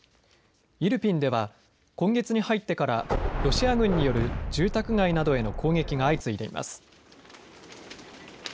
イルピンでは今月に入ってからロシア軍による住宅街などへの攻撃が相次いでいます。